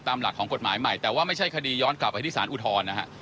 ตามหลักของกฎหมายใหม่แต่ว่าไม่ใช่คดีย้อนกลับไปที่สารอุทธรณ์นะฮะ